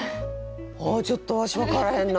ちょっとわし分からへんな。